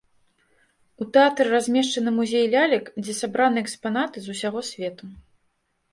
У тэатры размешчаны музей лялек, дзе сабраны экспанаты з усяго свету.